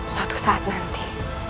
suatu saat nanti